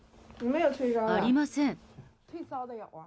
ありません。